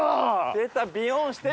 出た！